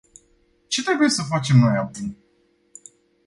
Ce trebuie să facem noi acum?